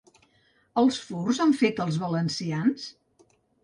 Els furs han fet els valencians?